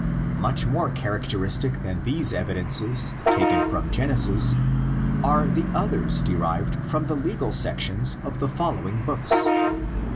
Much more characteristic than these evidences taken from Genesis are the others derived from the CODEX AND FINAL REDACTION. 157 legal sections of the following books.